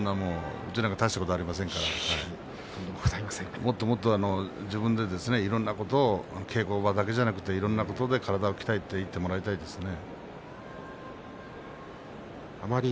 いえいえうちなんか大したことありませんからもっともっと自分でいろんなことを稽古場だけじゃなくていろんなことで体を鍛えていってもらいたいですね。